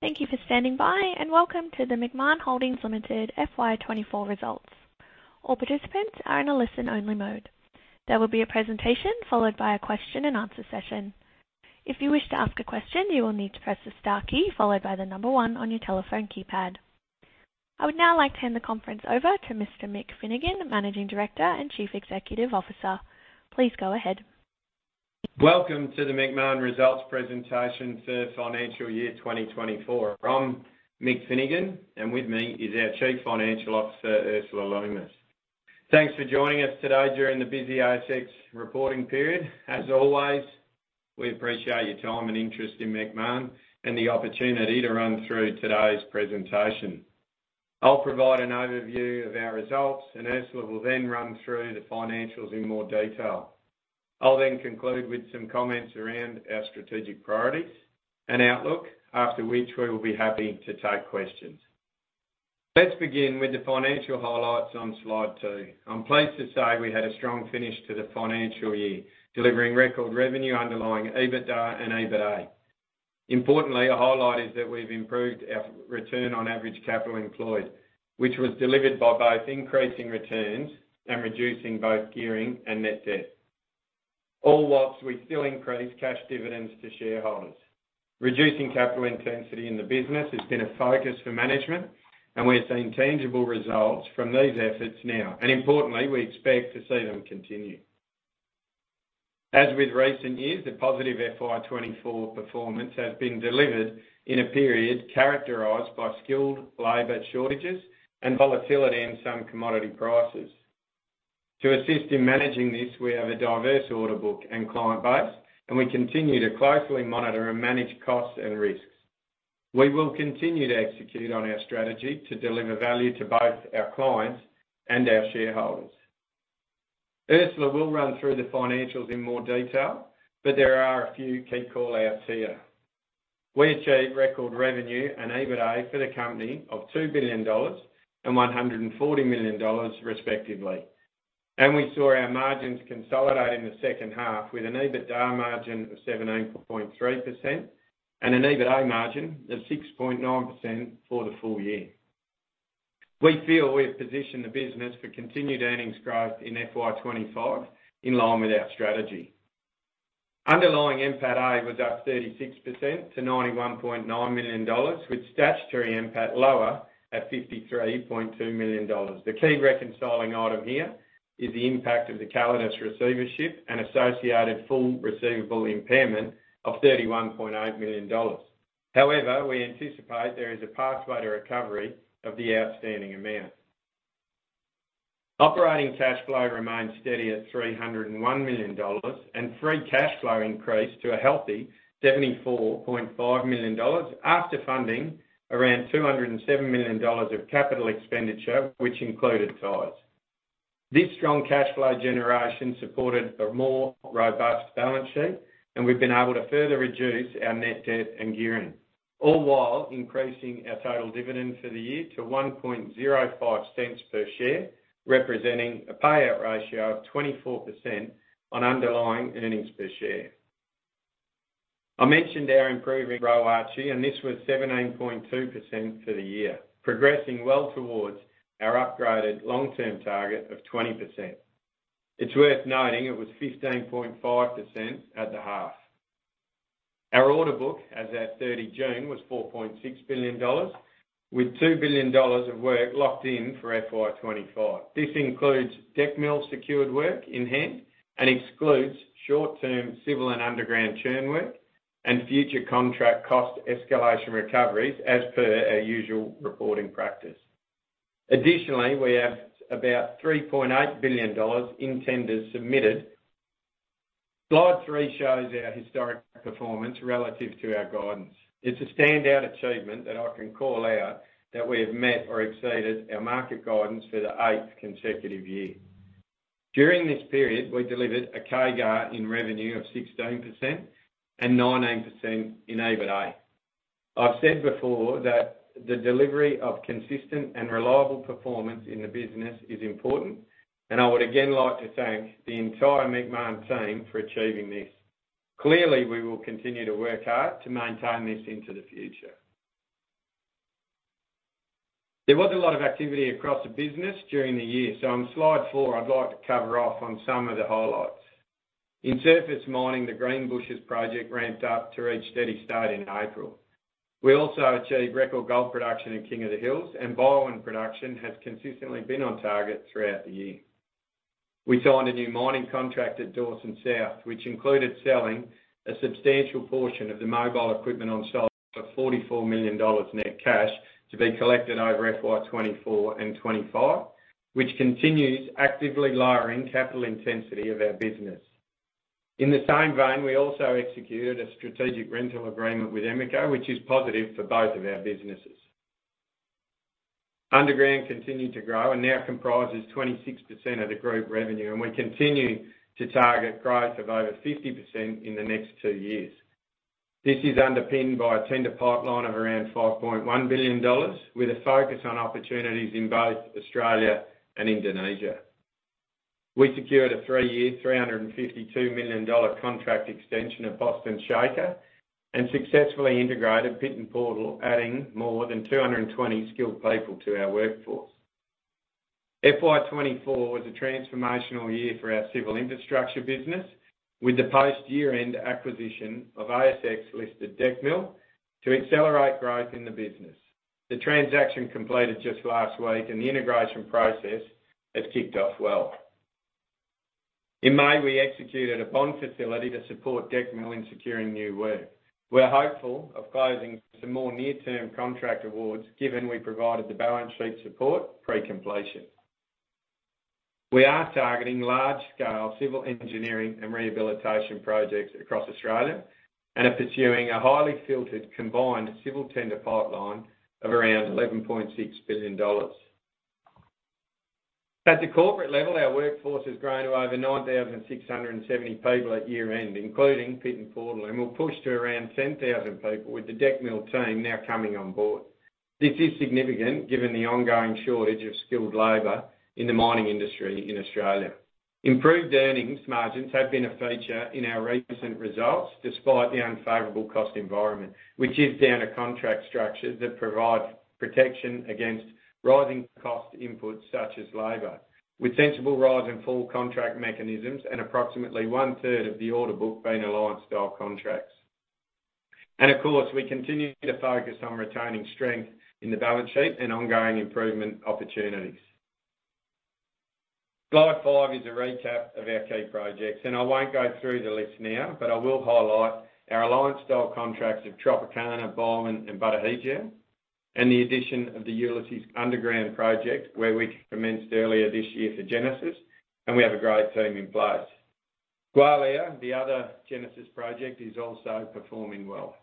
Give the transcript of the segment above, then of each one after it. Thank you for standing by, and welcome to the Macmahon Holdings Limited FY twenty-four results. All participants are in a listen-only mode. There will be a presentation, followed by a question and answer session. If you wish to ask a question, you will need to press the star key followed by the number one on your telephone keypad. I would now like to hand the conference over to Mr. Mick Finnegan, Managing Director and Chief Executive Officer. Please go ahead. Welcome to the Macmahon Results presentation for financial year 2024. I'm Mick Finnegan, and with me is our Chief Financial Officer, Ursula Lomas. Thanks for joining us today during the busy ASX reporting period. As always, we appreciate your time and interest in Macmahon and the opportunity to run through today's presentation. I'll provide an overview of our results, and Ursula will then run through the financials in more detail. I'll then conclude with some comments around our strategic priorities and outlook, after which we will be happy to take questions. Let's begin with the financial highlights on Slide 2. I'm pleased to say we had a strong finish to the financial year, delivering record revenue underlying EBITDA and EBITA. Importantly, a highlight is that we've improved our return on average capital employed, which was delivered by both increasing returns and reducing both gearing and net debt, all whilst we still increase cash dividends to shareholders. Reducing capital intensity in the business has been a focus for management, and we're seeing tangible results from these efforts now, and importantly, we expect to see them continue. As with recent years, the positive FY 2024 performance has been delivered in a period characterized by skilled labor shortages and volatility in some commodity prices. To assist in managing this, we have a diverse order book and client base, and we continue to closely monitor and manage costs and risks. We will continue to execute on our strategy to deliver value to both our clients and our shareholders. Ursula will run through the financials in more detail, but there are a few key call-outs here. We achieved record revenue and EBITA for the company of 2 billion dollars and 140 million dollars, respectively. And we saw our margins consolidate in the second half with an EBITDA margin of 17.3% and an EBITA margin of 6.9% for the full year. We feel we have positioned the business for continued earnings growth in FY 2025, in line with our strategy. Underlying NPATA was up 36% to 91.9 million dollars, with statutory NPAT lower at 53.2 million dollars. The key reconciling item here is the impact of the Calidus receivership and associated full receivable impairment of 31.8 million dollars. However, we anticipate there is a pathway to recovery of the outstanding amount. Operating cash flow remains steady at 301 million dollars, and free cash flow increased to a healthy 74.5 million dollars after funding around 207 million dollars of capital expenditure, which included tires. This strong cash flow generation supported a more robust balance sheet, and we've been able to further reduce our net debt and gearing, all while increasing our total dividend for the year to 0.0105 per share, representing a payout ratio of 24% on underlying earnings per share. I mentioned our improving ROACE, and this was 17.2% for the year, progressing well towards our upgraded long-term target of 20%. It's worth noting it was 15.5% at the half. Our order book as at 30 June was 4.6 billion dollars, with 2 billion dollars of work locked in for FY 2025. This includes Decmil secured work in hand and excludes short-term civil and underground churn work and future contract cost escalation recoveries as per our usual reporting practice. Additionally, we have about 3.8 billion dollars in tenders submitted. Slide 3 shows our historic performance relative to our guidance. It's a standout achievement that I can call out that we have met or exceeded our market guidance for the eighth consecutive year. During this period, we delivered a CAGR in revenue of 16% and 19% in EBITA. I've said before that the delivery of consistent and reliable performance in the business is important, and I would again like to thank the entire Macmahon team for achieving this. Clearly, we will continue to work hard to maintain this into the future. There was a lot of activity across the business during the year, so on Slide 4, I'd like to cover off on some of the highlights. In surface mining, the Greenbushes project ramped up to reach steady state in April. We also achieved record gold production in King of the Hills, and Byerwen production has consistently been on target throughout the year. We signed a new mining contract at Dawson South, which included selling a substantial portion of the mobile equipment on site for 44 million dollars net cash to be collected over FY 2024 and 2025, which continues actively lowering capital intensity of our business. In the same vein, we also executed a strategic rental agreement with Emeco, which is positive for both of our businesses. Underground continued to grow and now comprises 26% of the group revenue, and we continue to target growth of over 50% in the next two years. This is underpinned by a tender pipeline of around 5.1 billion dollars, with a focus on opportunities in both Australia and Indonesia. ... We secured a three-year, 352 million dollar contract extension of Boston Shaker, and successfully integrated Pit N Portal, adding more than 220 skilled people to our workforce. FY 2024 was a transformational year for our civil infrastructure business, with the post-year-end acquisition of ASX-listed Decmil to accelerate growth in the business. The transaction completed just last week, and the integration process has kicked off well. In May, we executed a bond facility to support Decmil in securing new work. We're hopeful of closing some more near-term contract awards, given we provided the balance sheet support pre-completion. We are targeting large-scale civil engineering and rehabilitation projects across Australia, and are pursuing a highly filtered, combined civil tender pipeline of around 11.6 billion dollars. At the corporate level, our workforce has grown to over 9,670 people at year-end, including Pit N Portal, and will push to around 10,000 people, with the Decmil team now coming on board. This is significant, given the ongoing shortage of skilled labor in the mining industry in Australia. Improved earnings margins have been a feature in our recent results, despite the unfavorable cost environment, which is down to contract structures that provide protection against rising cost inputs such as labor, with sensible rise and fall contract mechanisms, and approximately one-third of the order book being alliance-style contracts. Of course, we continue to focus on retaining strength in the balance sheet and ongoing improvement opportunities. Slide five is a recap of our key projects, and I won't go through the list now, but I will highlight our alliance-style contracts of Tropicana, Boungou, and Batu Hijau, and the addition of the Ulysses Underground project, where we commenced earlier this year for Genesis, and we have a great team in place. Gwalia, the other Genesis project, is also performing well.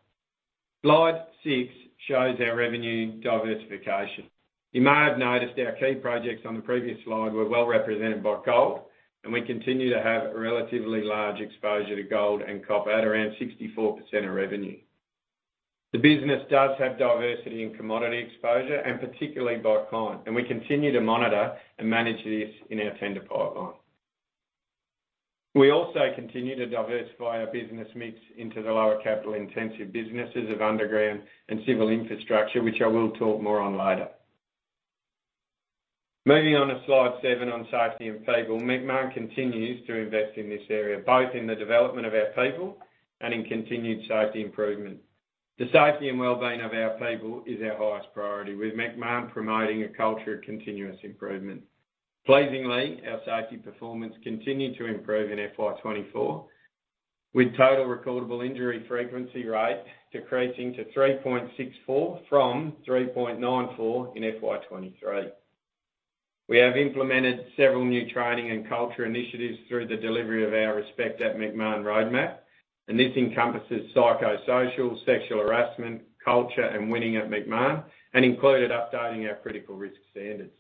Slide six shows our revenue diversification. You may have noticed our key projects on the previous slide were well-represented by gold, and we continue to have a relatively large exposure to gold and copper at around 64% of revenue. The business does have diversity in commodity exposure, and particularly by client, and we continue to monitor and manage this in our tender pipeline. We also continue to diversify our business mix into the lower capital-intensive businesses of underground and civil infrastructure, which I will talk more on later. Moving on to slide seven, on safety and people. Macmahon continues to invest in this area, both in the development of our people and in continued safety improvement. The safety and well-being of our people is our highest priority, with Macmahon promoting a culture of continuous improvement. Pleasingly, our safety performance continued to improve in FY 2024, with Total Recordable Injury Frequency Rate decreasing to 3.64 from 3.94 in FY 2023. We have implemented several new training and culture initiatives through the delivery of our Respect at Macmahon roadmap, and this encompasses psychosocial, sexual harassment, culture, and Winning at Macmahon, and included updating our critical risk standards.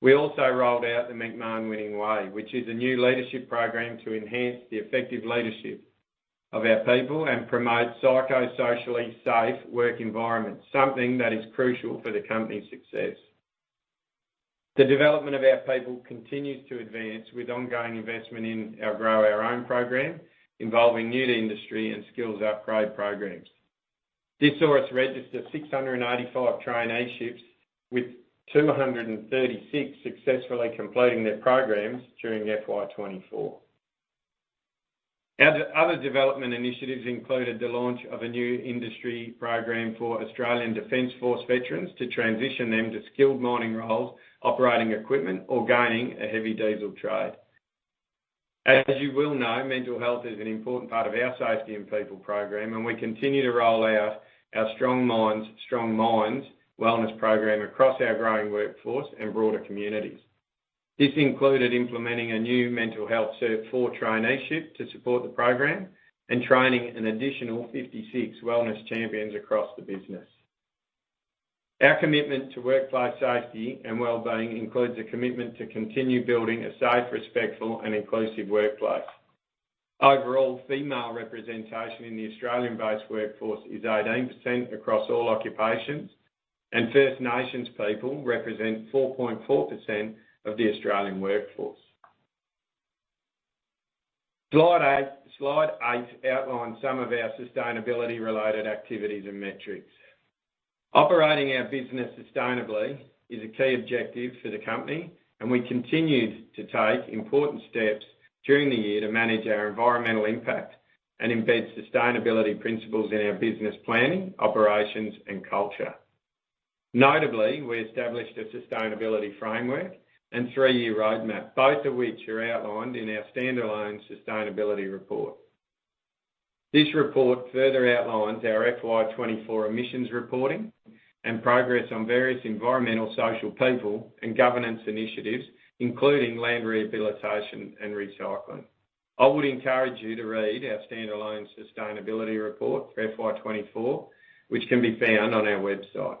We also rolled out the Macmahon Winning Way, which is a new leadership program to enhance the effective leadership of our people and promote psychosocially safe work environments, something that is crucial for the company's success. The development of our people continues to advance with ongoing investment in our Grow Our Own program, involving new to industry and skills upgrade programs. This saw us register 685 traineeships, with 236 successfully completing their programs during FY 2024. Our other development initiatives included the launch of a new industry program for Australian Defense Force veterans to transition them to skilled mining roles, operating equipment, or gaining a heavy diesel trade. As you well know, mental health is an important part of our safety and people program, and we continue to roll out our Strong Minds, Strong Mines wellness program across our growing workforce and broader communities. This included implementing a new mental health Cert IV traineeship to support the program and training an additional 56 wellness champions across the business. Our commitment to workplace safety and well-being includes a commitment to continue building a safe, respectful, and inclusive workplace. Overall, female representation in the Australian-based workforce is 18% across all occupations, and First Nations people represent 4.4% of the Australian workforce. Slide eight, slide eight outlines some of our sustainability-related activities and metrics. Operating our business sustainably is a key objective for the company, and we continued to take important steps during the year to manage our environmental impact and embed sustainability principles in our business planning, operations, and culture. Notably, we established a sustainability framework and three-year roadmap, both of which are outlined in our standalone sustainability report. This report further outlines our FY twenty-four emissions reporting and progress on various environmental, social, people, and governance initiatives, including land rehabilitation and recycling. I would encourage you to read our standalone sustainability report for FY twenty-four, which can be found on our website.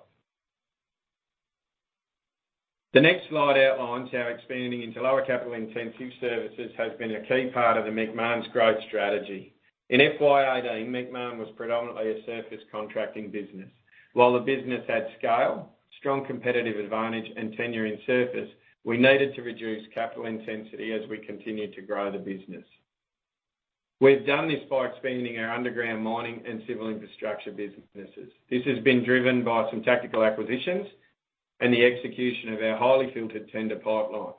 The next slide outlines how expanding into lower capital-intensive services has been a key part of the Macmahon's growth strategy.... In FY eighteen, Macmahon was predominantly a surface contracting business. While the business had scale, strong competitive advantage, and tenure in surface, we needed to reduce capital intensity as we continued to grow the business. We've done this by expanding our underground mining and civil infrastructure businesses. This has been driven by some tactical acquisitions and the execution of our highly filtered tender pipeline.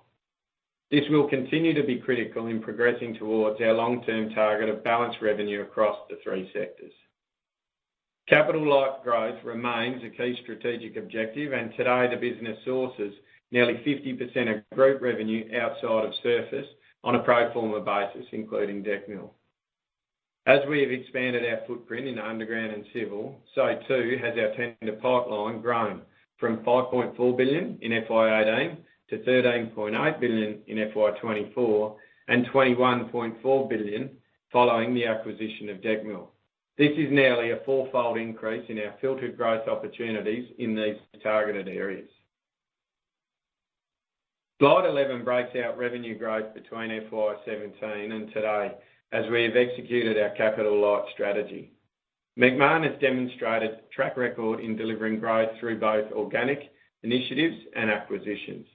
This will continue to be critical in progressing towards our long-term target of balanced revenue across the three sectors. Capital light growth remains a key strategic objective, and today the business sources nearly 50% of group revenue outside of surface on a pro forma basis, including Decmil. As we have expanded our footprint in underground and civil, so too has our tender pipeline grown from 5.4 billion in FY 2018 to 13.8 billion in FY 2024, and 21.4 billion following the acquisition of Decmil. This is nearly a four-fold increase in our filtered growth opportunities in these targeted areas. Slide 11 breaks out revenue growth between FY 2017 and today, as we have executed our capital light strategy. Macmahon has demonstrated track record in delivering growth through both organic initiatives and acquisitions.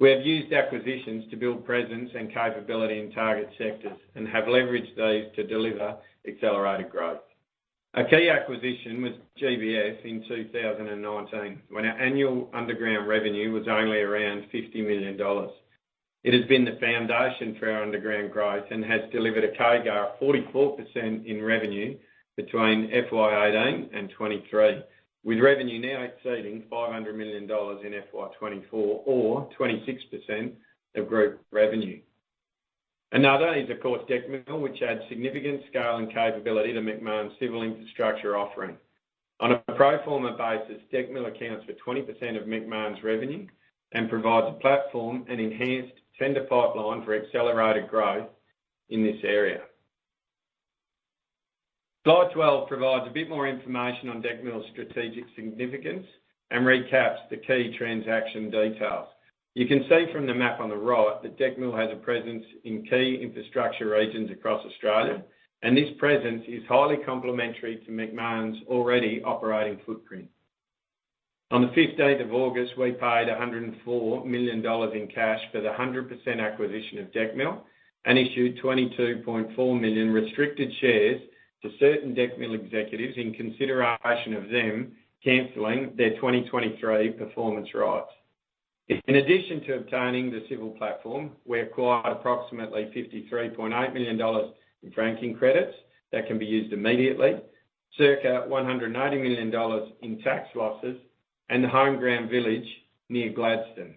We have used acquisitions to build presence and capability in target sectors and have leveraged those to deliver accelerated growth. A key acquisition was GBF in 2019, when our annual underground revenue was only around 50 million dollars. It has been the foundation for our underground growth and has delivered a CAGR of 44% in revenue between FY18 and FY23, with revenue now exceeding 500 million dollars in FY24 or 26% of group revenue. Another is, of course, Decmil, which adds significant scale and capability to Macmahon's civil infrastructure offering. On a pro forma basis, Decmil accounts for 20% of Macmahon's revenue and provides a platform and enhanced tender pipeline for accelerated growth in this area. Slide 12 provides a bit more information on Decmil's strategic significance and recaps the key transaction details. You can see from the map on the right that Decmil has a presence in key infrastructure regions across Australia, and this presence is highly complementary to Macmahon's already operating footprint. On the fifteenth of August, we paid 104 million dollars in cash for the 100% acquisition of Decmil and issued 22.4 million restricted shares to certain Decmil executives in consideration of them canceling their 2023 performance rights. In addition to obtaining the civil platform, we acquired approximately 53.8 million dollars in franking credits that can be used immediately, circa 180 million dollars in tax losses and the Homeground Village near Gladstone.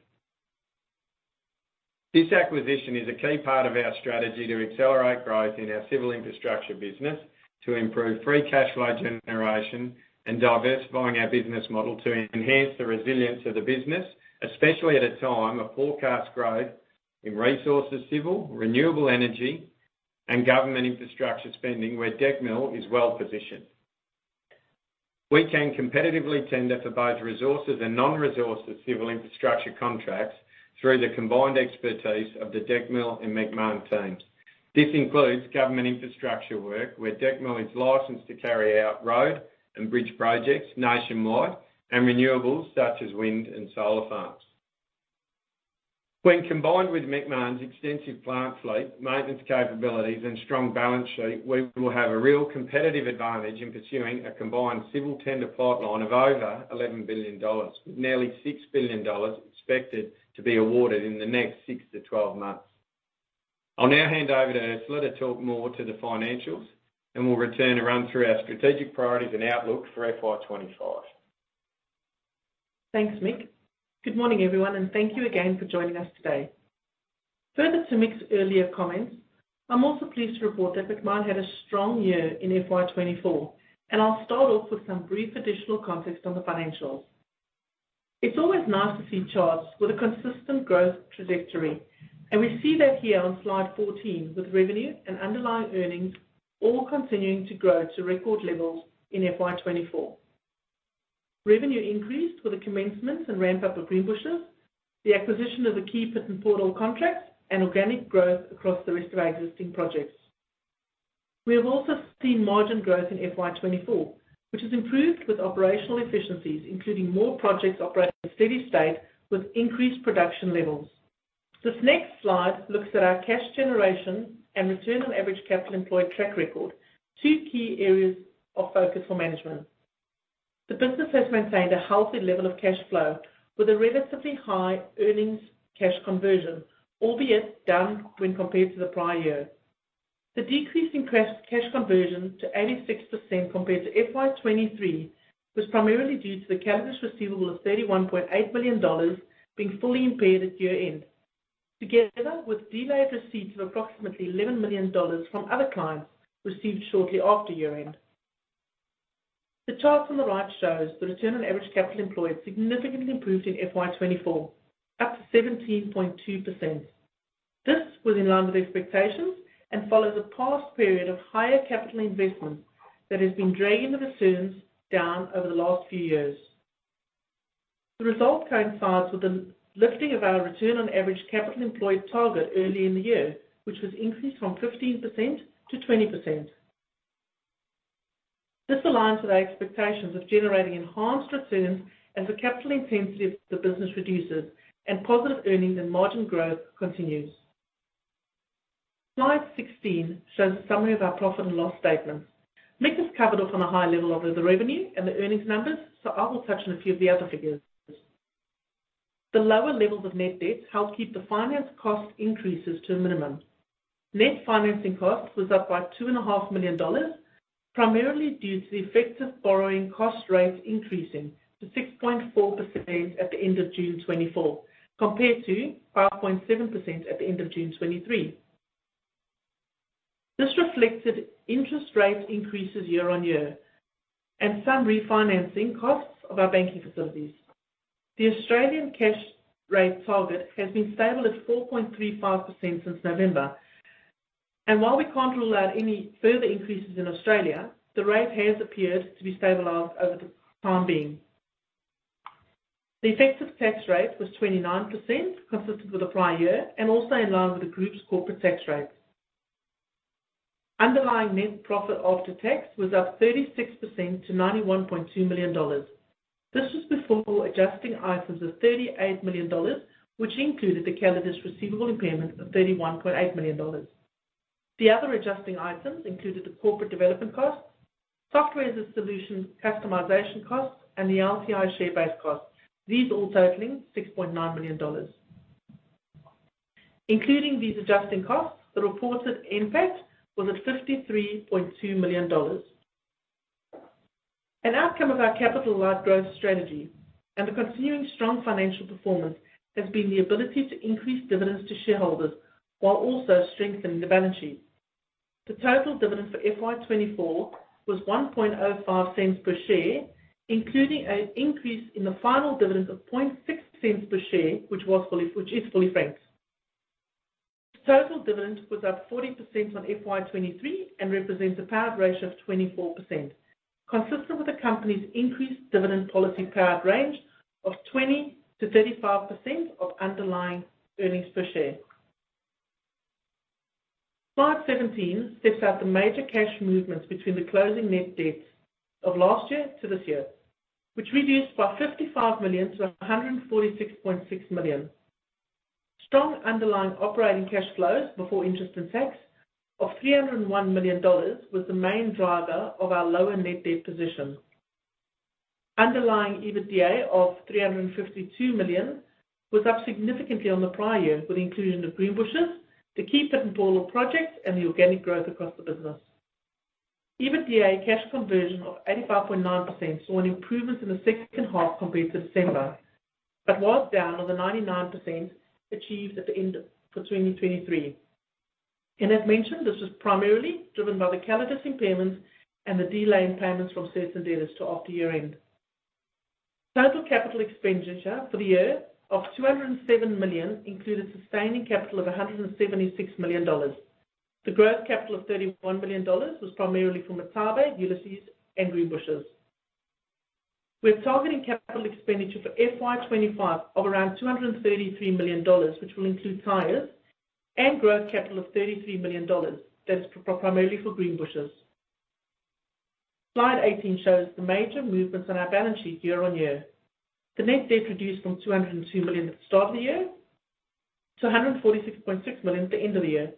This acquisition is a key part of our strategy to accelerate growth in our civil infrastructure business, to improve free cash flow generation, and diversifying our business model to enhance the resilience of the business, especially at a time of forecast growth in resources, civil, renewable energy, and government infrastructure spending, where Decmil is well positioned. We can competitively tender for both resources and non-resources civil infrastructure contracts through the combined expertise of the Decmil and Macmahon teams. This includes government infrastructure work, where Decmil is licensed to carry out road and bridge projects nationwide, and renewables such as wind and solar farms. When combined with Macmahon's extensive plant fleet, maintenance capabilities, and strong balance sheet, we will have a real competitive advantage in pursuing a combined civil tender pipeline of over 11 billion dollars, with nearly 6 billion dollars expected to be awarded in the next 6-12 months. I'll now hand over to Ursula to talk more to the financials, and we'll return to run through our strategic priorities and outlook for FY 2025. Thanks, Mick. Good morning, everyone, and thank you again for joining us today. Further to Mick's earlier comments, I'm also pleased to report that Macmahon had a strong year in FY 2024, and I'll start off with some brief additional context on the financials. It's always nice to see charts with a consistent growth trajectory, and we see that here on slide 14, with revenue and underlying earnings all continuing to grow to record levels in FY 2024. Revenue increased with the commencement and ramp-up of Greenbushes, the acquisition of the key Pit N Portal contracts, and organic growth across the rest of our existing projects. We have also seen margin growth in FY 2024, which has improved with operational efficiencies, including more projects operating steady state with increased production levels. This next slide looks at our cash generation and return on average capital employed track record, two key areas of focus for management. The business has maintained a healthy level of cash flow with a relatively high earnings cash conversion, albeit down when compared to the prior year. The decrease in cash conversion to 86% compared to FY 2023 was primarily due to the Calidus receivable of 31.8 million dollars being fully impaired at year-end, together with delayed receipts of approximately 11 million dollars from other clients received shortly after year-end. The chart on the right shows the return on average capital employed significantly improved in FY 2024, up to 17.2%. This was in line with expectations and follows a past period of higher capital investment that has been dragging the returns down over the last few years. The result coincides with the lifting of our return on average capital employed target early in the year, which was increased from 15% to 20%. This aligns with our expectations of generating enhanced returns as the capital intensity of the business reduces, and positive earnings and margin growth continues. Slide 16 shows a summary of our profit and loss statement. Mick has covered off on a high level of the revenue and the earnings numbers, so I will touch on a few of the other figures. The lower levels of net debt helped keep the finance cost increases to a minimum. Net financing costs was up by 2.5 million dollars, primarily due to the effective borrowing cost rate increasing to 6.4% at the end of June 2024, compared to 5.7% at the end of June 2023. This reflected interest rate increases year-on-year, and some refinancing costs of our banking facilities. The Australian cash rate target has been stable at 4.35% since November, and while we can't rule out any further increases in Australia, the rate has appeared to be stabilized over the time being. The effective tax rate was 29%, consistent with the prior year, and also in line with the group's corporate tax rate. Underlying net profit after tax was up 36% to 91.2 million dollars. This was before adjusting items of 38 million dollars, which included the Calidus receivable impairment of 31.8 million dollars. The other adjusting items included the corporate development costs, software as a solution, customization costs, and the LTI share-based costs. These all totaling 6.9 million dollars. Including these adjusting costs, the reported impact was at 53.2 million dollars. An outcome of our capital-light growth strategy and the continuing strong financial performance has been the ability to increase dividends to shareholders while also strengthening the balance sheet. The total dividend for FY 2024 was 0.0105 per share, including an increase in the final dividend of 0.006 per share, which is fully franked. Total dividend was up 40% on FY 2023, and represents a payout ratio of 24%, consistent with the company's increased dividend policy payout range of 20%-35% of underlying earnings per share. Slide 17 sets out the major cash movements between the closing net debt of last year to this year, which reduced by 55 million to 146.6 million. Strong underlying operating cash flows before interest and tax of 301 million dollars, was the main driver of our lower net debt position. Underlying EBITDA of 352 million, was up significantly on the prior year with the inclusion of Greenbushes, the Key Pit Borlog projects, and the organic growth across the business. EBITDA cash conversion of 85.9%, saw an improvement in the second half compared to December, but was down on the 99% achieved at the end of 2023. This was primarily driven by the Calidus impairments and the delayed payments from certain debtors to after year-end. Total capital expenditure for the year of 207 million included sustaining capital of 176 million dollars. The growth capital of 31 million dollars was primarily from Martabe, Ulysses, and Greenbushes. We're targeting capital expenditure for FY 2025 of around 233 million dollars, which will include tires and growth capital of 33 million dollars. That's primarily for Greenbushes. Slide 18 shows the major movements on our balance sheet year on year. The net debt reduced from 202 million at the start of the year to 146.6 million at the end of the year.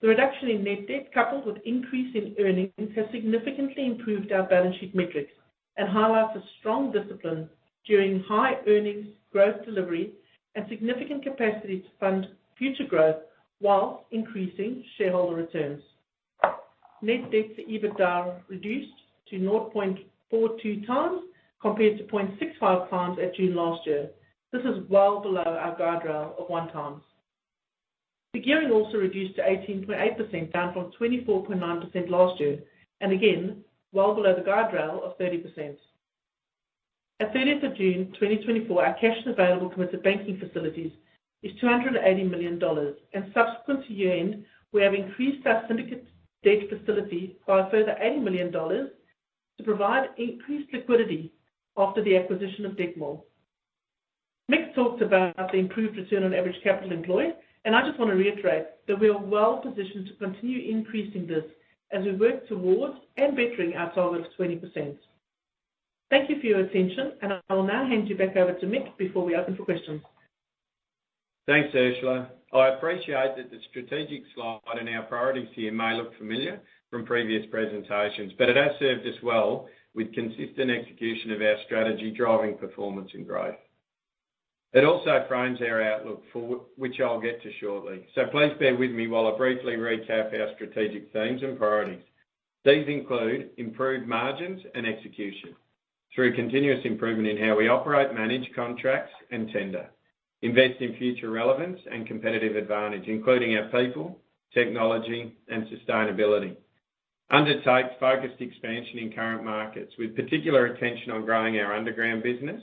The reduction in net debt, coupled with increase in earnings, has significantly improved our balance sheet metrics and highlights a strong discipline during high earnings growth delivery, and significant capacity to fund future growth while increasing shareholder returns. Net debt to EBITDA reduced to 0.42 times, compared to 0.65 times at June last year. This is well below our guardrail of 1 times. The gearing also reduced to 18.8%, down from 24.9% last year, and again, well below the guardrail of 30%. At the 30th of June, 2024, our cash available to the banking facilities is 280 million dollars, and subsequent to year-end, we have increased our syndicate debt facility by a further 80 million dollars to provide increased liquidity after the acquisition of Decmil. Mick talked about the improved return on average capital employed, and I just want to reiterate that we are well positioned to continue increasing this as we work towards and bettering our target of 20%. Thank you for your attention, and I will now hand you back over to Mick before we open for questions. Thanks, Ursula. I appreciate that the strategic slide and our priorities here may look familiar from previous presentations, but it has served us well with consistent execution of our strategy, driving performance and growth. It also frames our outlook for which I'll get to shortly. So please bear with me while I briefly recap our strategic themes and priorities. These include: improved margins and execution through continuous improvement in how we operate, manage contracts and tender. Invest in future relevance and competitive advantage, including our people, technology and sustainability. Undertake focused expansion in current markets, with particular attention on growing our underground business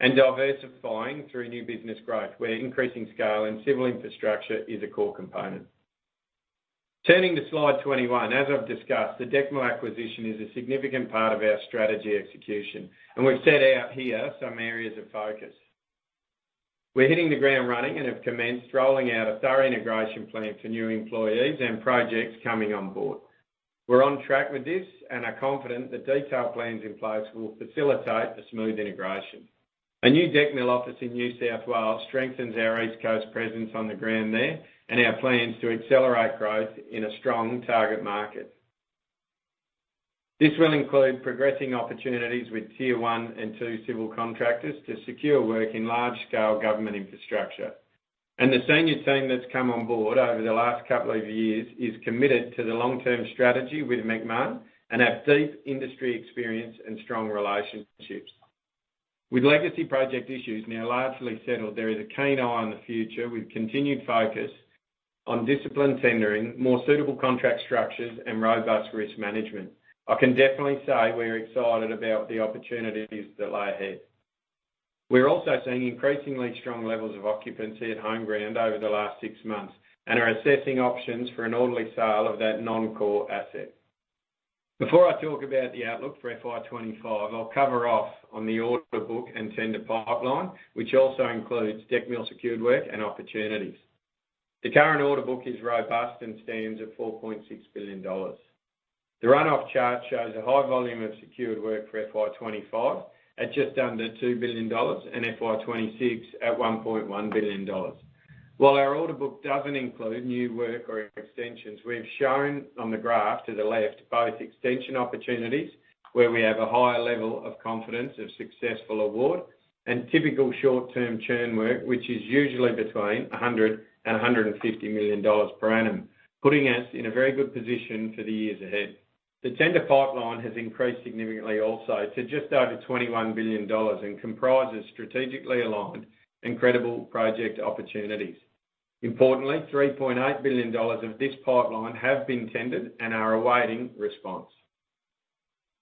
and diversifying through new business growth, where increasing scale and civil infrastructure is a core component. Turning to slide 21, as I've discussed, the Decmil acquisition is a significant part of our strategy execution, and we've set out here some areas of focus. We're hitting the ground running and have commenced rolling out a thorough integration plan to new employees and projects coming on board. We're on track with this, and are confident the detailed plans in place will facilitate a smooth integration. A new Decmil office in New South Wales strengthens our East Coast presence on the ground there, and our plans to accelerate growth in a strong target market. This will include progressing opportunities with tier one and two civil contractors to secure work in large scale government infrastructure, and the senior team that's come on board over the last couple of years is committed to the long-term strategy with Macmahon, and have deep industry experience and strong relationships. With legacy project issues now largely settled, there is a keen eye on the future, with continued focus on disciplined tendering, more suitable contract structures, and robust risk management. I can definitely say we're excited about the opportunities that lie ahead. We're also seeing increasingly strong levels of occupancy at Homeground over the last six months, and are assessing options for an orderly sale of that non-core asset. Before I talk about the outlook for FY 2025, I'll cover off on the order book and tender pipeline, which also includes Decmil secured work and opportunities. The current order book is robust and stands at 4.6 billion dollars. The run-off chart shows a high volume of secured work for FY 2025, at just under 2 billion dollars, and FY 2026 at 1.1 billion dollars. While our order book doesn't include new work or extensions, we've shown on the graph to the left, both extension opportunities, where we have a higher level of confidence of successful award, and typical short-term churn work, which is usually between 100 million and 150 million dollars per annum, putting us in a very good position for the years ahead. The tender pipeline has increased significantly also, to just over 21 billion dollars, and comprises strategically aligned and credible project opportunities. Importantly, 3.8 billion dollars of this pipeline have been tendered and are awaiting response.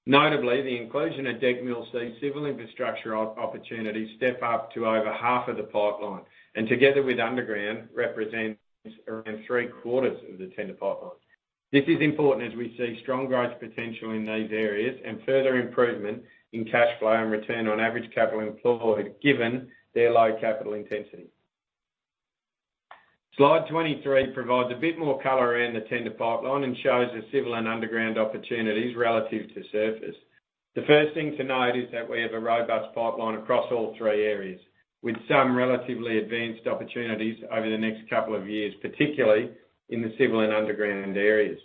Notably, the inclusion of Decmil sees civil infrastructure opportunities step up to over half of the pipeline, and together with underground, represents around three quarters of the tender pipeline. This is important as we see strong growth potential in these areas, and further improvement in cash flow and return on average capital employed, given their low capital intensity. Slide 23 provides a bit more color around the tender pipeline and shows the civil and underground opportunities relative to surface. The first thing to note is that we have a robust pipeline across all three areas, with some relatively advanced opportunities over the next couple of years, particularly in the civil and underground areas.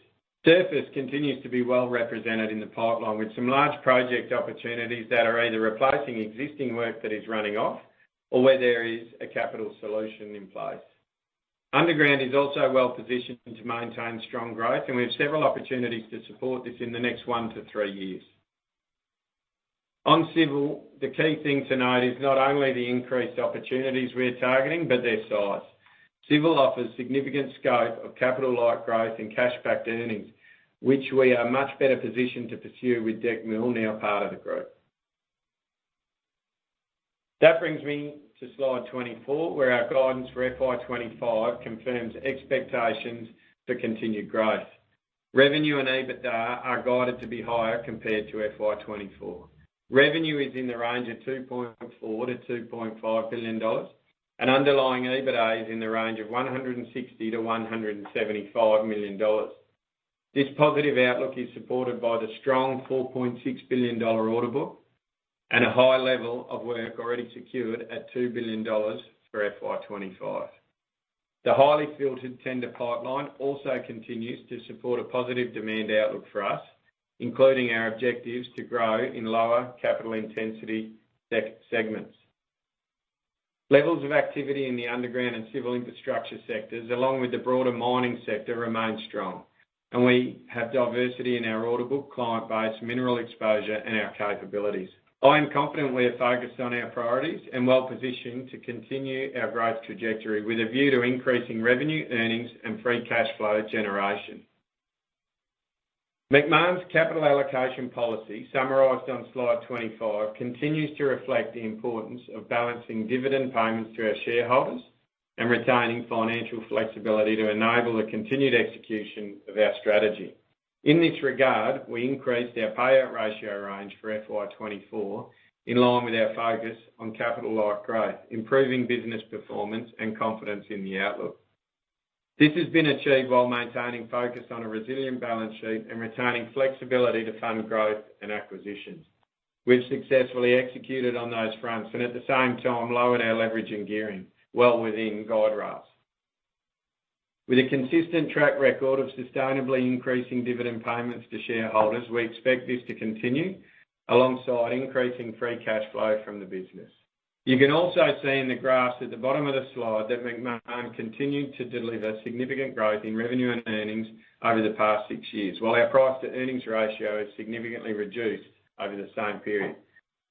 Surface continues to be well represented in the pipeline, with some large project opportunities that are either replacing existing work that is running off or where there is a capital solution in place. Underground is also well positioned to maintain strong growth, and we have several opportunities to support this in the next one to three years. On Civil, the key thing to note is not only the increased opportunities we are targeting, but their size. Civil offers significant scope of capital-light growth and cash-backed earnings, which we are much better positioned to pursue with Decmil now part of the group. That brings me to slide 24, where our guidance for FY 2025 confirms expectations for continued growth. Revenue and EBITDA are guided to be higher compared to FY 2024. Revenue is in the range of 2.4-2.5 billion dollars, and underlying EBITDA is in the range of 160-175 million dollars. This positive outlook is supported by the strong 4.6 billion dollar order book, and a high level of work already secured at 2 billion dollars for FY 2025. The highly filtered tender pipeline also continues to support a positive demand outlook for us, including our objectives to grow in lower capital intensity segments. Levels of activity in the underground and civil infrastructure sectors, along with the broader mining sector, remain strong, and we have diversity in our order book, client base, mineral exposure, and our capabilities. I am confident we are focused on our priorities and well-positioned to continue our growth trajectory, with a view to increasing revenue, earnings, and free cash flow generation. Macmahon's capital allocation policy, summarized on Slide 25, continues to reflect the importance of balancing dividend payments to our shareholders and retaining financial flexibility to enable the continued execution of our strategy. In this regard, we increased our payout ratio range for FY 2024, in line with our focus on capital light growth, improving business performance and confidence in the outlook. This has been achieved while maintaining focus on a resilient balance sheet and retaining flexibility to fund growth and acquisitions. We've successfully executed on those fronts and, at the same time, lowered our leverage and gearing well within guardrails. With a consistent track record of sustainably increasing dividend payments to shareholders, we expect this to continue alongside increasing free cash flow from the business. You can also see in the graphs at the bottom of the slide that Macmahon continued to deliver significant growth in revenue and earnings over the past six years, while our price-to-earnings ratio has significantly reduced over the same period.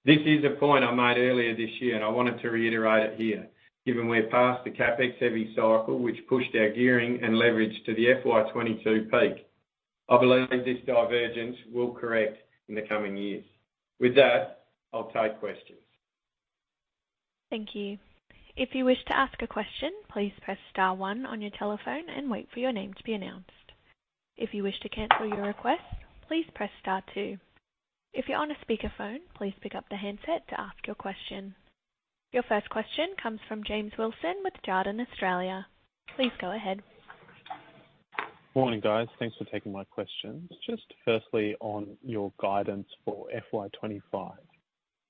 This is a point I made earlier this year, and I wanted to reiterate it here, given we're past the CapEx-heavy cycle, which pushed our gearing and leverage to the FY 2022 peak. I believe this divergence will correct in the coming years. With that, I'll take questions. ... Thank you. If you wish to ask a question, please press star one on your telephone and wait for your name to be announced. If you wish to cancel your request, please press star two. If you're on a speakerphone, please pick up the handset to ask your question. Your first question comes from James Wilson with Jarden Australia. Please go ahead. Morning, guys. Thanks for taking my questions. Just firstly, on your guidance for FY twenty-five,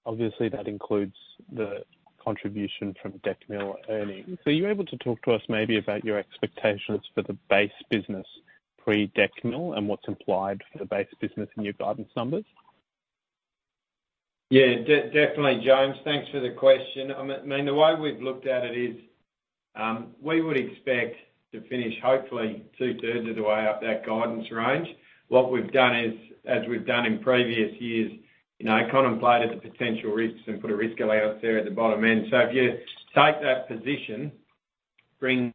obviously that includes the contribution from Decmil earnings. Are you able to talk to us maybe about your expectations for the base business pre-Decmil and what's implied for the base business in your guidance numbers? Yeah, definitely, James. Thanks for the question. I mean, the way we've looked at it is, we would expect to finish hopefully two-thirds of the way up that guidance range. What we've done is, as we've done in previous years, you know, contemplated the potential risks and put a risk allowance there at the bottom end. So if you take that position, bring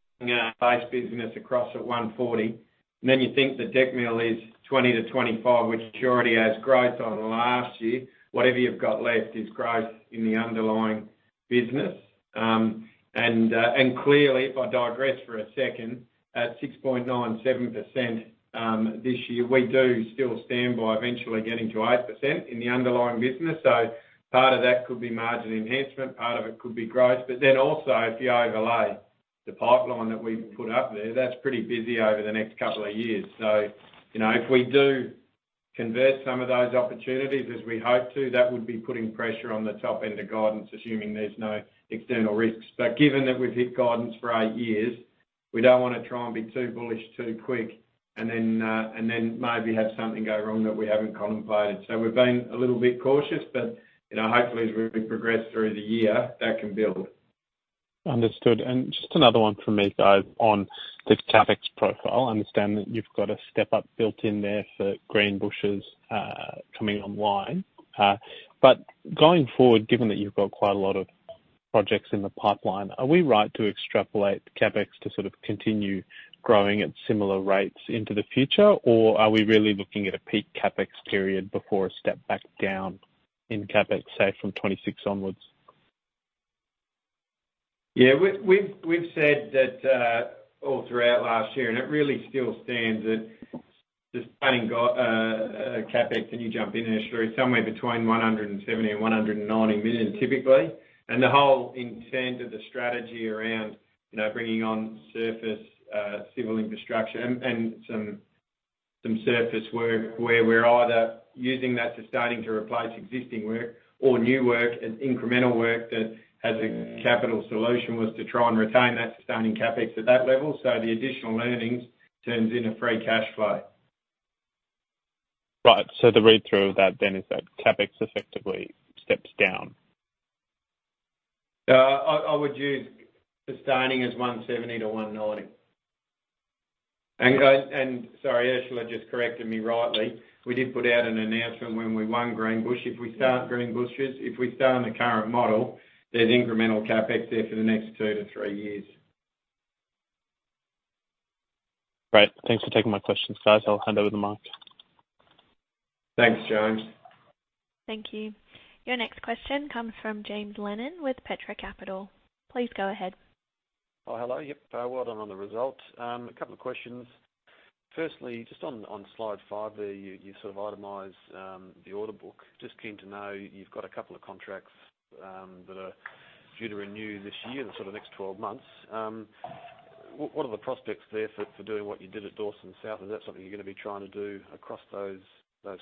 base business across at 140, then you think the Decmil is 20 to 25, which already has growth on last year. Whatever you've got left is growth in the underlying business. And clearly, if I digress for a second, at 6.97%, this year, we do still stand by eventually getting to 8% in the underlying business. So part of that could be margin enhancement, part of it could be growth. But then also, if you overlay the pipeline that we've put up there, that's pretty busy over the next couple of years. So, you know, if we do convert some of those opportunities as we hope to, that would be putting pressure on the top end of guidance, assuming there's no external risks. But given that we've hit guidance for eight years, we don't want to try and be too bullish too quick, and then maybe have something go wrong that we haven't contemplated. So we've been a little bit cautious, but, you know, hopefully, as we progress through the year, that can build. Understood. And just another one from me, guys, on the CapEx profile. I understand that you've got a step-up built in there for Greenbushes, coming online. But going forward, given that you've got quite a lot of projects in the pipeline, are we right to extrapolate CapEx to sort of continue growing at similar rates into the future? Or are we really looking at a peak CapEx period before a step back down in CapEx, say, from 2026 onwards? Yeah, we've said that all throughout last year, and it really still stands at the spending goal for CapEx. Can you jump in there, Ursula? Somewhere between 170 and 190 million, typically. And the whole intent of the strategy around, you know, bringing on surface civil infrastructure and some surface work, where we're either using that sustaining to replace existing work or new work and incremental work that has a capital solution, was to try and retain that sustaining CapEx at that level, so the additional earnings turns into free cash flow. Right. So the read-through of that then is that CapEx effectively steps down? I would use the starting as $1.70-$1.90. And guys, and sorry, Ursula just corrected me rightly. We did put out an announcement when we won Greenbushes. If we start Greenbushes on the current model, there's incremental CapEx there for the next two to three years. Great. Thanks for taking my questions, guys. I'll hand over the mic. Thanks, James. Thank you. Your next question comes from James Lennon with Petra Capital. Please go ahead. Oh, hello. Yep, well done on the results. A couple of questions. Firstly, just on slide five there, you sort of itemize the order book. Just keen to know, you've got a couple of contracts that are due to renew this year, the sort of next twelve months. What are the prospects there for doing what you did at Dawson South? Is that something you're gonna be trying to do across those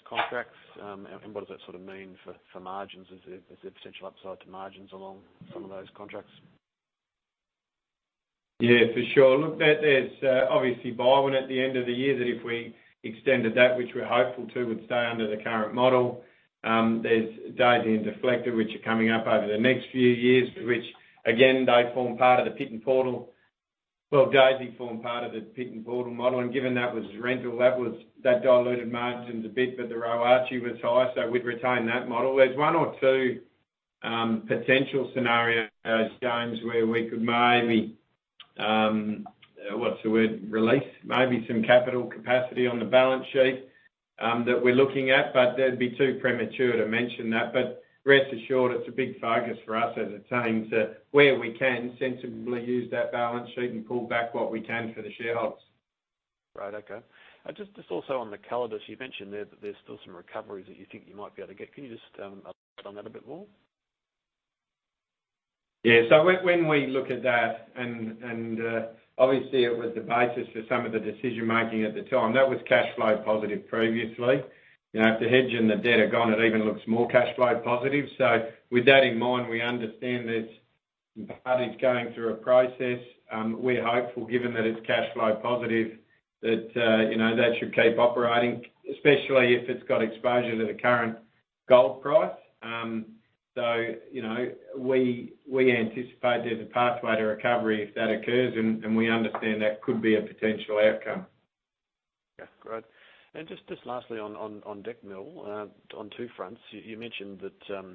contracts? And what does that sort of mean for margins? Is there potential upside to margins along some of those contracts? Yeah, for sure. Look, there's obviously Byerwen at the end of the year, that if we extended that, which we're hopeful to, would stay under the current model. There's Daisy and Deflector, which are coming up over the next few years, which again, they form part of the Pit N Portal. Well, Daisy form part of the Pit N Portal model, and given that was rental, that diluted margins a bit, but the royalty was high, so we'd retain that model. There's one or two potential scenarios, James, where we could maybe, what's the word? Release maybe some capital capacity on the balance sheet, that we're looking at, but that'd be too premature to mention that. But rest assured, it's a big focus for us as a team to, where we can sensibly use that balance sheet and pull back what we can for the shareholders. Right. Okay. Just also on the Calidus, you mentioned there that there's still some recoveries that you think you might be able to get. Can you just elaborate on that a bit more? Yeah. So when we look at that, and obviously, it was the basis for some of the decision-making at the time, that was cash flow positive previously. You know, if the hedge and the debt are gone, it even looks more cash flow positive. So with that in mind, we understand this party's going through a process. We're hopeful, given that it's cash flow positive, that you know, that should keep operating, especially if it's got exposure to the current gold price. So, you know, we anticipate there's a pathway to recovery if that occurs, and we understand that could be a potential outcome. Yeah, great. And just lastly on Decmil, on two fronts. You mentioned that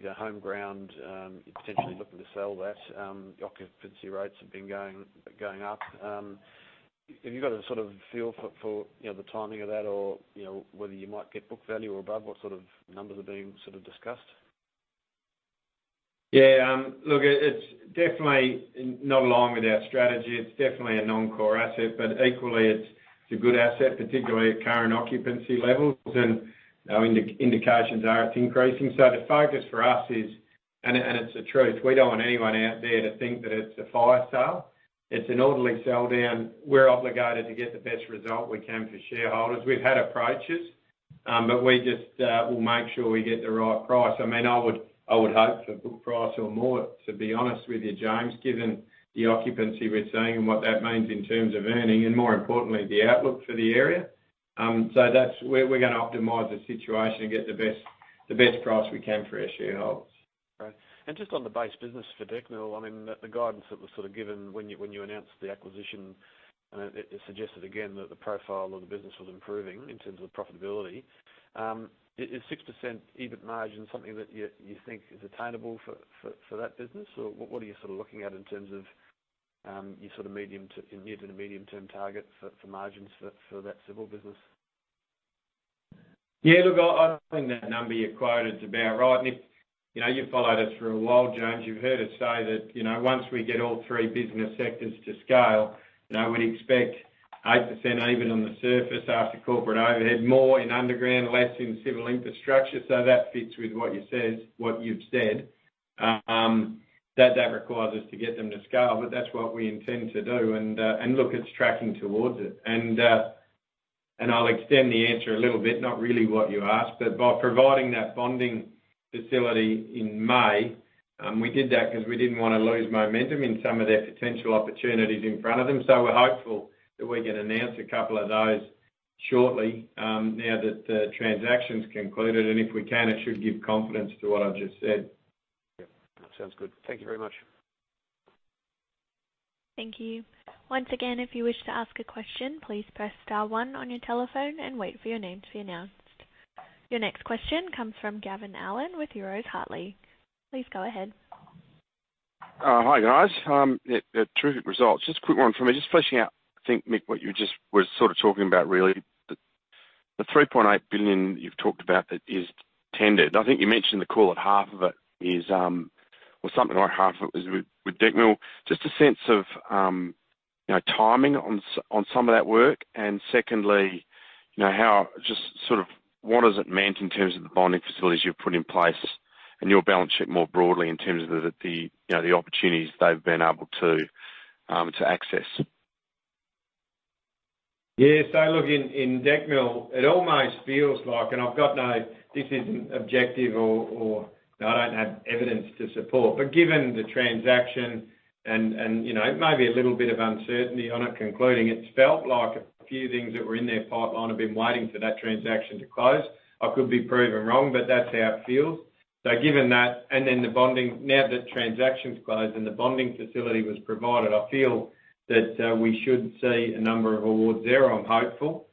your Homeground, you're potentially looking to sell that. Occupancy rates have been going up. Have you got a sort of feel for you know, the timing of that? Or, you know, whether you might get book value or above, what sort of numbers are being sort of discussed? Yeah, look, it's definitely not along with our strategy. It's definitely a non-core asset, but equally, it's a good asset, particularly at current occupancy levels, and indications are it's increasing. So the focus for us is. And it's the truth. We don't want anyone out there to think that it's a fire sale. It's an orderly sell down. We're obligated to get the best result we can for shareholders. We've had approaches, but we just we'll make sure we get the right price. I mean, I would hope for book price or more, to be honest with you, James, given the occupancy we're seeing and what that means in terms of earning, and more importantly, the outlook for the area. So that's where we're gonna optimize the situation and get the best, the best price we can for our shareholders. Great. Just on the base business for Decmil, I mean, the guidance that was sort of given when you announced the acquisition. It suggested again that the profile of the business was improving in terms of profitability. Is 6% EBIT margin something that you think is attainable for that business? Or what are you sort of looking at in terms of your sort of medium to near to the medium-term target for margins for that civil business? Yeah, look, I think that number you quoted is about right. And if, you know, you've followed us for a while, James, you've heard us say that, you know, once we get all three business sectors to scale, you know, we'd expect 8% EBIT on the surface after corporate overhead, more in underground, less in civil infrastructure. So that fits with what you said, what you've said. That requires us to get them to scale, but that's what we intend to do. And look, it's tracking towards it. And I'll extend the answer a little bit, not really what you asked, but by providing that bonding facility in May, we did that 'cause we didn't wanna lose momentum in some of their potential opportunities in front of them. So we're hopeful that we can announce a couple of those shortly, now that the transaction's concluded, and if we can, it should give confidence to what I've just said. Yep. Sounds good. Thank you very much. Thank you. Once again, if you wish to ask a question, please press star one on your telephone and wait for your name to be announced. Your next question comes from Gavin Allen with Euroz Hartleys. Please go ahead. Hi, guys. Yeah, terrific results. Just a quick one from me. Just fleshing out, I think, Mick, what you just were sort of talking about, really. The 3.8 billion you've talked about that is tendered, I think you mentioned the call that half of it is, or something like half of it is with, with Decmil. Just a sense of, you know, timing on some of that work. And secondly, you know, how just sort of what does it mean in terms of the bonding facilities you've put in place and your balance sheet more broadly, in terms of the, the, you know, the opportunities they've been able to, to access? Yeah, so look, in Decmil, it almost feels like, and I've got no... This isn't objective or I don't have evidence to support. But given the transaction and you know, maybe a little bit of uncertainty on it concluding, it's felt like a few things that were in their pipeline have been waiting for that transaction to close. I could be proven wrong, but that's how it feels. Given that, and then the bonding, now that transaction's closed and the bonding facility was provided, I feel that we should see a number of awards there. I'm hopeful.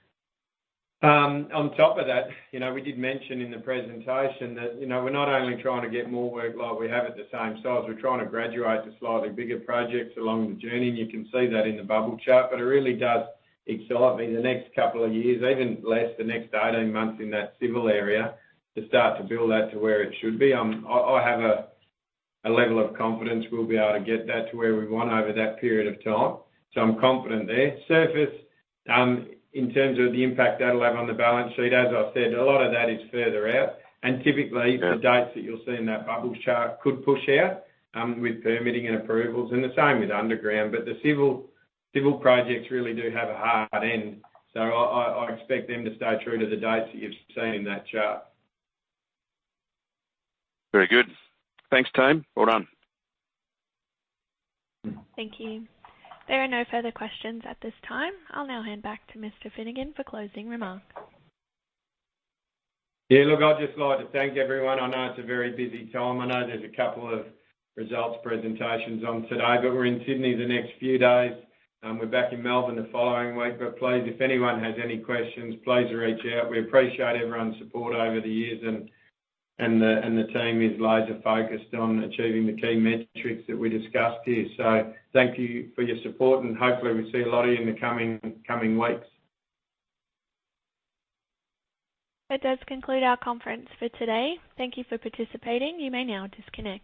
On top of that, you know, we did mention in the presentation that, you know, we're not only trying to get more work like we have at the same size, we're trying to graduate to slightly bigger projects along the journey, and you can see that in the bubble chart. But it really does excite me the next couple of years, even less, the next eighteen months in that civil area, to start to build that to where it should be. I have a level of confidence we'll be able to get that to where we want over that period of time, so I'm confident there. Surface, in terms of the impact that'll have on the balance sheet, as I've said, a lot of that is further out. And typically- Yeah... the dates that you'll see in that bubble chart could push out, with permitting and approvals, and the same with underground. But the civil projects really do have a hard end, so I expect them to stay true to the dates that you've seen in that chart. Very good. Thanks, team. Well done. Thank you. There are no further questions at this time. I'll now hand back to Mr. Finnegan for closing remarks. Yeah, look, I'd just like to thank everyone. I know it's a very busy time. I know there's a couple of results presentations on today, but we're in Sydney the next few days, and we're back in Melbourne the following week. But please, if anyone has any questions, please reach out. We appreciate everyone's support over the years and the team is laser focused on achieving the key metrics that we discussed here. So thank you for your support, and hopefully, we'll see a lot of you in the coming weeks. That does conclude our conference for today. Thank you for participating. You may now disconnect.